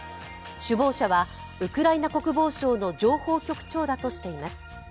首謀者はウクライナ国防省の情報局長だとしています。